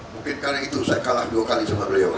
mungkin karena itu saya kalah dua kali sebenarnya